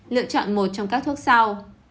lựa chọn một trong các thuốc sau